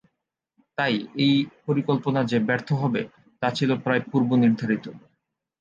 তাই এ পরিকল্পনা যে ব্যর্থ হবে তা ছিল প্রায় পূর্বনির্ধারিত।